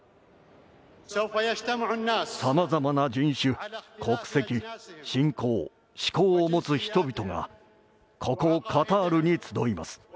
さまざまな人種、国籍信仰、思考を持つ人々がここカタールに集います。